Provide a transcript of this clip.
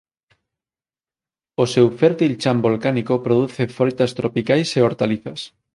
O seu fértil chan volcánico produce froitas tropicais e hortalizas.